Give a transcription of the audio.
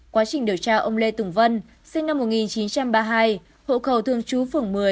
quá trình điều tra ông lê tùng vân sinh năm một nghìn chín trăm ba mươi hai hộ khẩu thường trú phường một mươi